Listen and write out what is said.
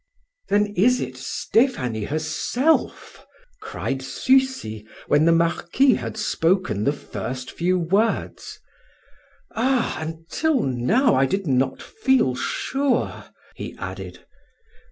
"Then it is Stephanie herself?" cried Sucy when the Marquis had spoken the first few words. "Ah! until now I did not feel sure!" he added.